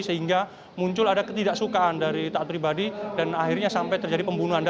sehingga muncul ada ketidaksukaan dari taat pribadi dan akhirnya sampai terjadi pembunuhan